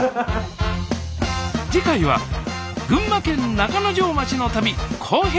次回は群馬県中之条町の旅後編！